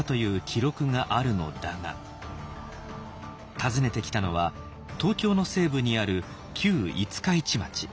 訪ねてきたのは東京の西部にある旧五日市町。